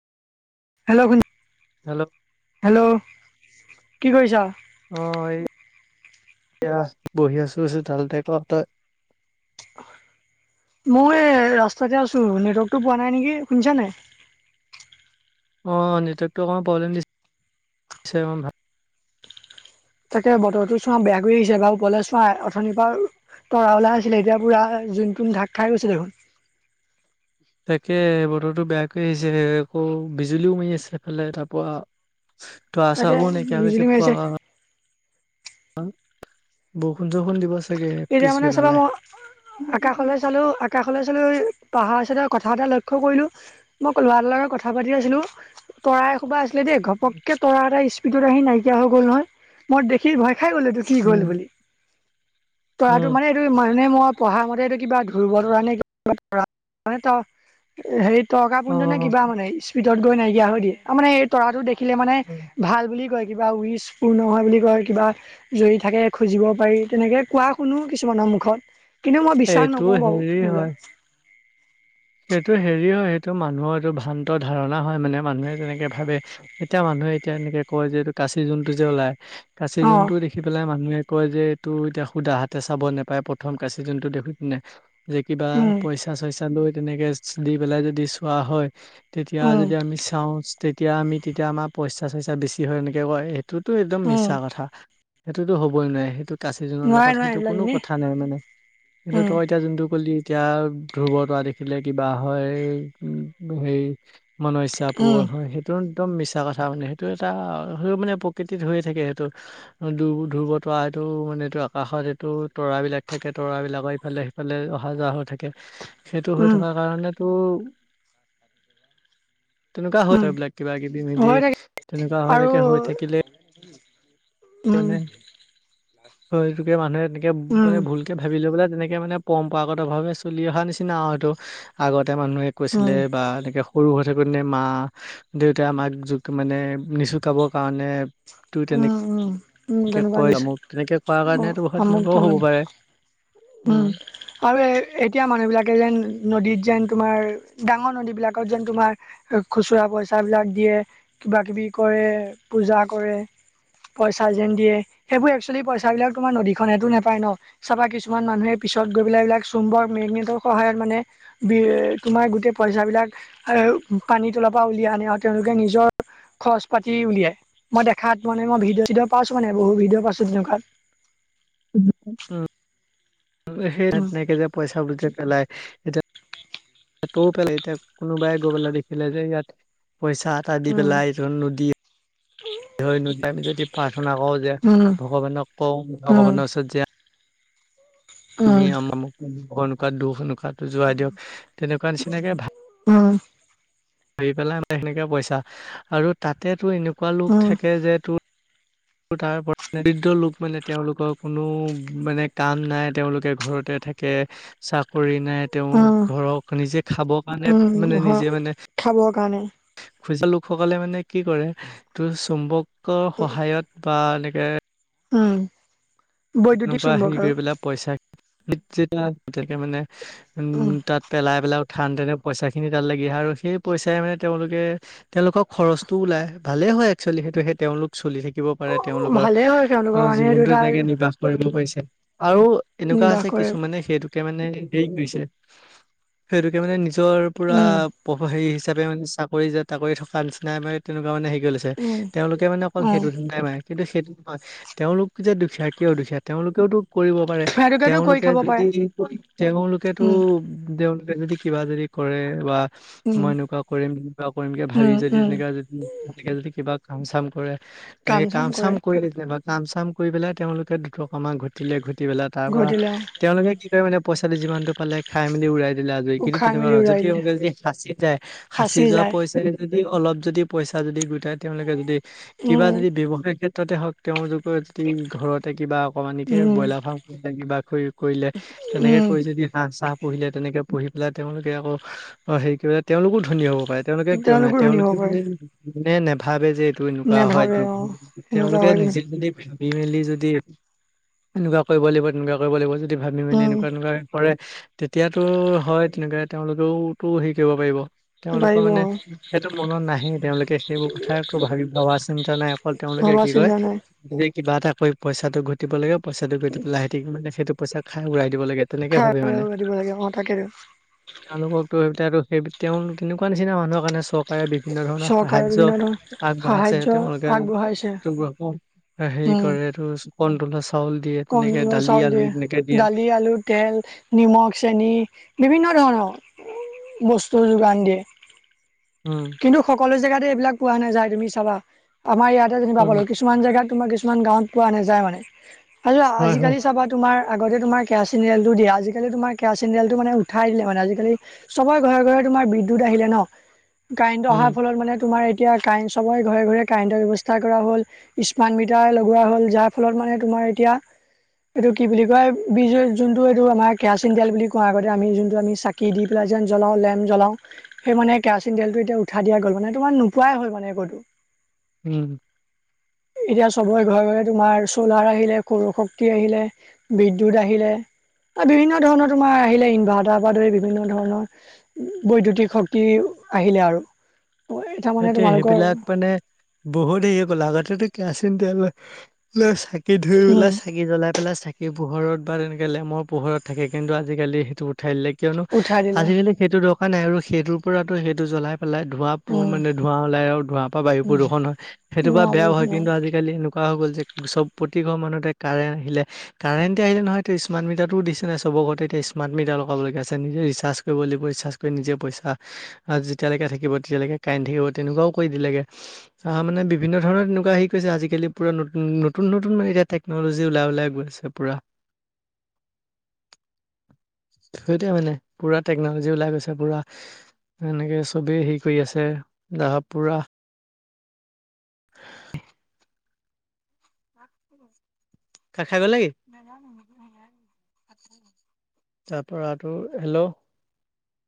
Hello! Hello [unintelligible] hello! কি কৰিছা? অ' এই এইয়া বহি আছো চোতালতে। তই? মই এই ৰাস্তাতে আছোঁ, নেটৱৰ্কটো পোৱা নাই নেকি শুনিছনে? অঁ নেটৱৰ্কটো অকমান প্ৰব্লেম দিছে অ'। তাকে বতৰটো চোৱা বেয়া কৰি আহিছে এবাৰ ওপৰলে চোৱাই অথনিৰ পৰা তৰা ওলাই আছিলে এতিয়া পুৰা জোন চোন ঢাক খাই গৈছে দেখোন। তাকেই বতৰটো বেয়াকে আহিছে আকৌ বিজুলীওমাৰি আছে এফালে তাৰপৰা তৰা তাকে চৰাবোৰ নাইকিয়া হয় বিজুলী মাৰিছে গৈছে। বৰষুণ চৰষুণ দিব চাগে এতিয়া পিছ মানে চাবা বেলালে। মই আকাশলৈ চালো আকাশলৈ চালো পাহাৰ কথা এটা লক্ষ্য কৰিলোঁ। মই লৰাৰ লগত কথা পাতি আছিলো তৰাই এসোপা আছিল দেই ঘপকে তৰা এটা স্পীডত আহি নাইকিয়া হৈ গ'ল নহয় মই দেখি ভয় খাই গ'লে। কি হ'ল উম বুলি? তৰাটো উম মানে এইটো মানে মই পঢ়া মতে এইটো কিবা ধ্ৰুব তৰা নে [inaudible] হেৰি অ তৰকাপুজ্ঞ নে কিবা মানে স্পীডত গৈ নাইকিয়া হৈ দিয়ে। তাৰমানে তৰাতটো দেখিলে মানে ভাল বুলি কয়। কিবা উইচ পূৰ্ণ হয় বুলি কয় কিবা যদি থাকে খুজিব পাৰি তেনেকৈয়ে কোৱা শুনো কিছুমানৰ মুখত কিন্তু মই বিশ্বাস এইটো নকৰোঁ বাৰু হেৰি হয় সেইবিলাক। সেইটো হেৰি হয় সেইটো মানুহৰ এইটো ভ্ৰান্ত ধাৰণা হয় মানে মানুহে তেনেকে ভাবে। এতিয়া মানুহে এতিয়া এনেকে কয় যে এইটো কাচি জোনটো যে ওলাই কাচি অ জোনটো দে দেখি পেলাই মানুহে কয় যে এইটো এতিয়া সুধা হাতে চাব নোপায় প্ৰথম কাচি যোনটো দেখি পিনে। যে কিবা উম পইচা চইচা লৈ তেনেকে দি পেলাই যদি চোৱা হয় তেতিয়া উম যদি আমি চাওঁ তেতিয়া আমি তেতিয়া আমাৰ পইচা চইচা বেছি হয় এনেকৈ কয়। সেইটোত একদম উম মিছা কথা সেইটোতো হ'বই নোৱাৰে সেইটো কাচি জোনৰ নোৱাৰে লগত নোৱাৰে সেইটো এইবিলাক কোনো এনেই কথা নাই মানে কিন্তু উম তই এতিয়া যোনটো কলি এতিয়া ধ্ৰুৱতা দেখিলে কিবা হয় উম হেৰি মন ইচ্ছা উম পুৰণ হয় সেইটো একদম মিছা কথা মানে সেইটো এটা মানে প্ৰকৃতিত হৈয়ে থাকে সেইটো। ধ্ৰুৱ ধ্ৰুবতৰা এইটো মানে এইটো আকাশত এইটো তৰাবিলাক থাকে তৰা বিলাকৰ ইফালে সিফালে অহা যোৱা হৈ থাকে। [inaudible] সেইটো হৈ থকাৰ কাৰণে তো তেনেকুৱা হয় তাৰ উম বিলাক কিবা কিবি মিলি হৈ থাকে তেনেকুৱা হয় আৰু থাকে, হৈ থাকিলে উম মানে হয়তোকে মানুহে এনেকে উম মানে ভুল কে ভাবি লৈ পেলাই তেনেকে মানে পৰম্পৰাগত ভাৱে চলি অহা নিচিনা আৰু এইটো। আগতে মানুহে উম কৈছিলে বা এনেকে সৰু হৈ থাকোঁতে মা, দেউতাই আমাক জুক মানে নিচুকাবৰ কাৰণে ত' উম উম উম তেনেক তেনেকুৱা কয় নিচিনা আমোক তেনেকে কোৱাৰ অ কাৰনে হয় আমুক তেনেকুৱাও হ'ব তামুক পাৰে। উম। আৰু এতিয়া মানুহবিলাকে যেন নদীত যেন, তোমাৰ ডাঙৰ নদীবিলাকত যেন তোমাৰ খুচুৰা পইচাবিলাক দিয়ে, কিবা কিবি কৰে, পূজা কৰে পইচা যেন দিয়ে সেইবোৰ এক্সোৱেলি পইচাবিলাক তোমাৰ নদীখনেতো নাপায় ন' চাবা কিছু কিছুমান মানুহে পিছত গৈ পেলাই এইবাক চুম্বৰ মেগনেটৰ সহায়ত মানে বি তোমাৰ গোটেই পইচাবিলাক এ, পানীৰ তলৰ পৰা উলিয়াই আনে আৰু তেওঁলোকে নিজৰ খৰচ পাতি উলিয়াই। মই দেখাত মানে মই ভিডি-ভিডঅ' পাইছোঁ, মানে বহুত ভিডিঅ' পাইছোঁ তেনেকুৱাত। উম সেই তাত উম তেনেকে যে পইচা বিলাক পেলায় এতিয়া পেলাই এতিয়া কোনোবাই গৈ পেলাই দেখিলে যে ইয়াত পইচাত [inaudible] উম আমি যদি প্ৰাৰ্থনা কওঁ যে উম ভগৱানক কওঁ, উম ভগৱানৰ ওচৰত যে আমি উম আমোক তামোক ভয় নোখোৱা, দুখ এনেকুৱোটো জোৱাই দিয়ক, তেনেকুৱা নিচিনাকে ভাবি উম। ধৰি পেলাই মানে সেনেকে পইছা, আৰু তাতেতো এনেকুৱা লোক উম, থাকে যে তোৰ আৰু তাৰ ৰিদ্ৰ লোক মানে, তেওঁলোকৰ কোনো কাম নাই, তেওঁলোকে ঘৰতে থাকে। চাকৰি নাই তেওঁ উম, ঘৰক নিজে খাব কাৰণে উম, মানে, হয়। নিজে মানে খাবৰ কাৰণে খোজা লোকসকলে মানে কি কৰে, তোৰ চুম্বকৰ উম, সহায়ত বা এনেকে উম। বৈদ্যুতিক এনেকুৱা চুম্বক হেৰি আৰু কৰি পেলাই পইচা [unintelligible] তেকে মানে, উম তাত পেলাই, পেলাই উঠাই আনোতেনে পইচাখিনি তাত লাগি আছে, সেই পইচাই মানে তেওঁলোকে তেওঁলোকৰ খৰচটো ওলাই। ভালেই হয় এক্সোৱেলি সেইটো, সেই তেওঁলোক চলি থাকিব পাৰে, তেওঁলোকৰ ভালেই হয় তেওঁলোকৰ অ', কাৰণে সেইটো জীৱনটো এটা তেনেকে নিৰ্বাস উম, কৰিবলৈ পাইছে। আৰু এনেকুৱা নিৰ্বাহ আছে কৰে কিছুমানে সেইটোকে মানে হেৰি কৰিছে, সেইটোকে মানে নিজৰ পুৰা উম, [inaudible] হেৰি হিচাপে মানে, চাকৰি যে চাকৰি থকা নিচিনাই মানে তেনেকুৱা মানে হেৰি কৰি লৈছে। উম, তেওঁলোকে মানে অকল উম, সেইটো ধান্দাই মাৰে, কিন্তু সেইটো নহয়। তেওঁলোক যে দুখীয়া কিয় দুখীয়া, তেওঁলোকেওতো কৰিব পাৰে। সেইটোকেতো কৰি তেওঁলোকে খাব পাৰে। যদি, তেওঁলোকেটো, উম, তেওঁলোকে যদি কিবা যদি কৰে বা উম, মই এনেকুৱা কৰিম কিবা কৰিম কে ভাবি উম, যদি, উম, তেনেকা যদি গতিকে যদি কিবা কাম-চাম কৰে, কাম তেনেকে চাম কৰে কাম-চাম কৰি কেতিয়াবা, কাম-চাম কৰি পেলাই তেওঁলোক কে দুটকা মান ঘটিলে, ঘটি পেলাই তাৰ পৰা ঘটিলে অ' তেওঁলোকে কি কৰে মানে পইচাটো যিমানটো পালে, খাই মেলি উৰাই দিলে আজৰি কৰি, কিন্তু খাই তেনেকুৱা মেলি নহয়, উৰাই দিলে যদি [unintelligible] সাঁচি যায়, সাঁচি ফাঁচি যোৱা যায় পইচাই যদি অলপ যদি পইচা যদি গোটাই, তেওঁলোকে যদি, কিবা উম, যদি ব্যয়ৱসায় ক্ষেত্ৰত ত্ৰতে হওঁক, তেওঁৰলোকৰ যি ঘৰতে কিবা অকমানীকে উম, ব্ৰইলাৰ ফাৰ্ম খুলিলে, কিবা কৰি কৰিলে, তেনেকে উম, কৰি যদি হাঁহ চা পুহিলে তেনেকে পুহি পেলাই তেওঁলোকে আকৌ, অ' হেৰি কৰে, তেওঁলোকো ধনী হ'ব পাৰে। তেওঁলোকে কিয় তেওঁলোকো নোৱাৰে, ধনী হ'ব তেওঁলোকে পাৰে মানে মানে নাভাবে যে এইটো এনেকুৱা হয়, নেভাবে এনেকা অ' হয় সেনেকুৱা তেওঁলোকে হয় কিন্তু নিজে যদি ভাবি মেলি যদি এনেকুৱা কৰিব লাগিব, তেনেকুৱা কৰিব লাগিব, যদি ভাবি মেলি উম, এনেকুৱা এনেকুৱা হয়। কৰে তেতিয়াতো হয় তেনেকে, তেওঁলোকেওটো হেৰি কৰিব পাৰিব। তেওঁলোকৰ পাৰিব মানে অ' সেইটো মনত নাহেই, তেওঁলোকে সেইবোৰ কথা একো ভাবি ভাবা চিন্তা নাই ফল তেওঁলোকে ভবা কি কয়, চিন্তা নাই। যে কিবা এটা কৰি পইচাটো ঘটি টিব লাগে পইচাটোতো এতিয়া ওলাইয়ে থাকিব মানে, সেইটো পইচা খাই উৰাই দিব লাগে। তেনেকে খাই ভাবে মানে। দিব লাগে অ তাকেইতো [inaudible] তেওঁলোক তেনেকুৱা নিচিনা মানুহৰ কাৰণে চৰকাৰে বিভি বিভিন্ন ধৰণৰ চৰকাৰে সাহায্য বিভিন্ন ধৰণৰ আগবঢ়াইছে, সাহাৰ্য তেওঁলোকে আগবঢ়াইছে তো বোৰকো এ হেৰি উম কৰে এইটো কণ তলৰ চাউল দিয়ে, তেনেকে কণলৰ দালি, চাউল আলু দিয়ে তেনেকে দিয়ে। দালি আলু তেল নিমখ চেনি বিভিন্ন ধৰণৰ বস্তুৰ যোগান দিয়ে। উম। কিন্তু সকলো জেগাতে এইবিলাক পোৱা নাযায়, তুমি চাবা। আমাৰ ইয়াত এতিয়া যেনিবা উম, পালো, কিছুমান জেগাত তোমাৰ কিছুমান গাঁৱত পোৱা নাযায় মানে আৰু হয়, হয়, আজিকালি চবতে তোমাৰ, আগতে তোমাৰ কেৰাচিতেলটো দিয়ে আজিকালি তোমাৰ কেৰাচিনতেলটো মানে উঠাই দিলে মানে, আজিকালি চবৰে ঘৰে, ঘৰে তোমাৰ বিদ্যুত আহিলে ন। কাৰেণ্টো অহাৰ উম, ফলত মানে তোমাৰ এতিয়া কাৰেণ্ট চবৰে ঘৰে, ঘৰে কাৰেণ্টৰ ব্যৱস্থা কৰা হ'ল। স্মাৰ্ট মিটাৰ লগোৱা হ'ল, যাৰ ফলত মানে তোমাৰ এতিয়া এইটো কি বুলি কয় বিজু যোনটো এইটো আমাৰ কেৰাচিন তেল বুলি কোৱা আগতে আমি যোনটো আমি চাক কি দি পেলাই যেন জ্বলাওঁ লেম জ্বলাওঁ। সেই মানে কেৰাচি তিন তেলটো এতিয়া উঠাই দিয়া গ'ল মানে তোমাৰ নোপোৱাই হ'ল মানে ক'তো। উম। এতিয়া চবৰে ঘৰে, ঘৰে তোমাৰ চোলাৰ আহিলে, সৌৰ শক্তি আহিলে। বিদ্যুৎ আহিলে, এ বিভিন্ন ধৰণৰ তোমাৰ আহিলে ইনভাৰ্টাৰ পা ধৰি বিভিন্ন ধৰণৰ বৈদ্যুতিক শক্তি আহিলে আৰু। তাৰ মানে সেইটোৱে তোমালোকৰ সেইবিলাক মানে বহুত হেৰি গ'ল, আগতে কেৰাচিন তেল চাকি ধৰি উম পেলাই চাক চাকি জ্বলাই পেলাই চাকি পোহৰত বা তেনেকে লেমৰ পোহৰত থাকে, কিন্তু আজিকালি সেইটো উঠাই দিলে, কিয়নো উঠাই দিলে আজিকালি সেইটো দৰকাৰ নাই আৰু সেইটোৰ পৰাতো সেইটো জ্বলাই পেলাই ধোঁৱা বো উম মানে ধোঁৱা ওলাই আৰু ধোঁৱাৰ পৰা বায়ু প্ৰদূষণ হয়। সেইটোৰ পৰা বুঢ়া বেয়াও হয় বৰষুণত কিন্তু আজি কালি এনেকুৱা হৈ গল যে চব প্ৰতি ঘৰ মানুহতে কাৰেন্ট আহিলে কাৰেণ্টে আহিলে নহয়টো স্মাৰট মিটাৰটো দিছে নাই চবৰ ঘৰতে এতিয়া স্মাৰ্ট মিটাৰ লগাব লগীয়া হৈছে। নিজে ৰিচাৰ্জ কৰিব লাগিব ৰিচাৰ্জ নিজে পইচা যেতিয়ালৈকে থাকিব তেতিয়ালৈকে কাৰেণ্ট থাকিব তেনেকুৱাও কৰি দিলেগে। আ, মানে বিভিন্ন ধৰণৰ তেনেকুৱা হেই কৰিছে আজিকালি পুৰা নতু-নতুন মানে এতিয়া টেক টেকন'লজী ওলাই, ওলাই গৈ আছে পুৰা। [inaudible] সেইটোয় মানে পুৰা টেকনলজি ওলাই গৈছে পুৰা, এনেকে চবে হেৰি কৰি আছে। এ তাৰপাছত পুৰা [unintelligible] [unintelligible] কাট খাই গ'ল নে কি? নাজানোঁ [unintelligible] [unintelligible] তাৰ পৰা তোৰ হেল্ল'।